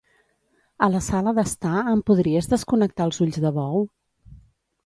A la sala d'estar, em podries desconnectar els ulls de bou?